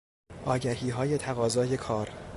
آگهیهای تقاضای کار